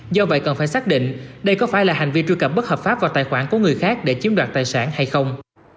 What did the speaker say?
do vậy cần phải xác định đây có phải là hành vi truy cập bất hợp pháp vào tài khoản của người khác để chiếm đoạt tài sản hay không